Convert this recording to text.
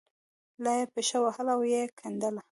لا یې پښه وهله او یې کیندله.